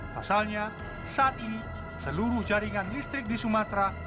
pasalnya saat ini seluruh jaringan listrik di sumatera